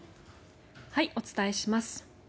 お伝えします。